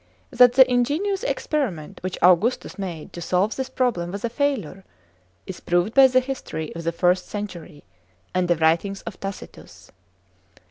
That the ingenious experi ment which Augustus made to solve this problem was a failure, is proved by the history of the first century, and the writings of Tacitus.